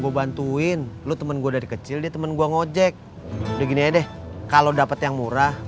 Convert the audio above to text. gue bantuin lu temen gue dari kecil dia temen gua ngojek begini deh kalau dapet yang murah